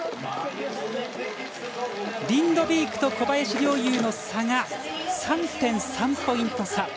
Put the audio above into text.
リンドビークと小林陵侑の差が３．３ポイント差。